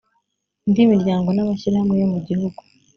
indi miryango n amashyirahamwe yo mu gihugu